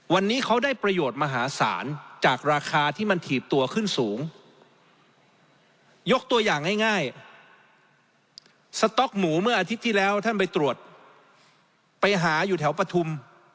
วันนี้เขาได้ประโยชน์มหาศาลจากราคาที่มันถีบตัวขึ้นสูงยกตัวอย่างง่ายสต๊อกหมูเมื่ออาทิตย์ที่แล้วท่านไปตรวจไปหาอยู่แถวปฐุม